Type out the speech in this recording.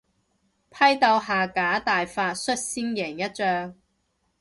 批鬥下架大法率先贏一仗